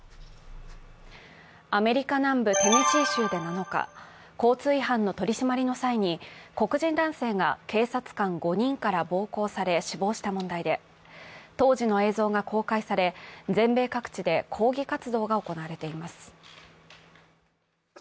アメリカ南部テネシー州で７日、交通違反の取り締まりの際に黒人男性が警察官５人から暴行され死亡した問題で、当時の映像が公開され、全米各地で抗議活動が行われています。